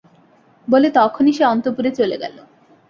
বলে তখনই সে অন্তঃপুরে চলে গেল।